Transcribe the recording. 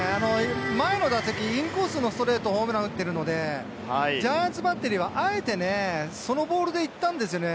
前の打席、インコースのストレートをホームランを打ってるので、ジャイアンツバッテリーはあえてね、そのボールで行ったんですよね。